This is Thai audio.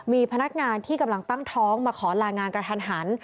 มีพนักงานที่กำลังตั้งท้องมาขอลางานกระทันหัน